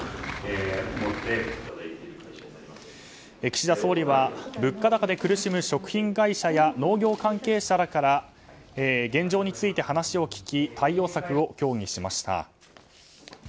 岸田総理は物価高で苦しむ食品会社や農業関係者らから現状について話を聞き対応策を協議しました。